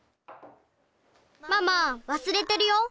ママわすれてるよ。